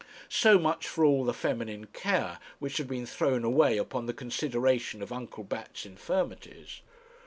So much for all the feminine care which had been thrown away upon the consideration of Uncle Bat's infirmities.